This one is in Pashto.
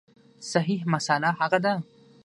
صحیح مسأله هغه ده